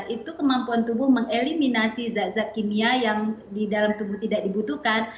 itu kemampuan tubuh mengeliminasi zat zat kimia yang di dalam tubuh tidak dibutuhkan